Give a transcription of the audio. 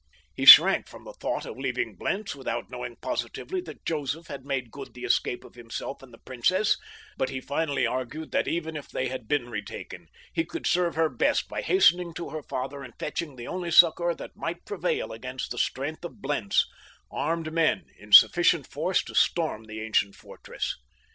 He shrank from the thought of leaving Blentz without knowing positively that Joseph had made good the escape of himself and the princess, but he finally argued that even if they had been retaken, he could serve her best by hastening to her father and fetching the only succor that might prevail against the strength of Blentz—armed men in sufficient force to storm the ancient fortress.